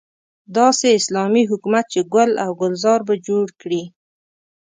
داسې اسلامي حکومت چې ګل او ګلزار به جوړ کړي.